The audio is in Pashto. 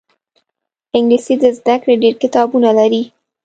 انګلیسي د زده کړې ډېر کتابونه لري